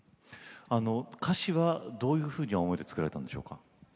歌詞はどういうふうな思いで作られたんでしょうか？